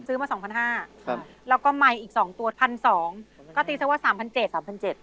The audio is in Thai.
ซื้อมา๒๕๐๐บาทครับแล้วก็ไมค์อีก๒ตัว๑๒๐๐บาทก็ตีเสียว่า๓๗๐๐บาท